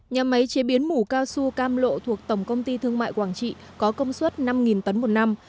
nhà máy chế biến mủ cao su cam lộ thuộc tổng công ty thương mại quảng trị có công suất năm tấn một năm